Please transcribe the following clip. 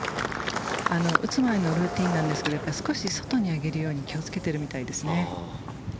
打つ前のルーティンなんですけど少し外に上げるように気をつけているみたいですね。